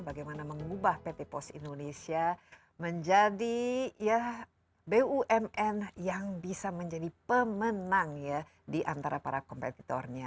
bagaimana mengubah pt pos indonesia menjadi bumn yang bisa menjadi pemenang diantara para kompetitornya